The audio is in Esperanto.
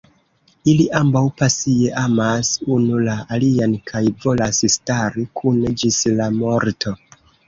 Ili ambaŭ pasie amas unu la alian kaj volas stari kune ĝis la morto.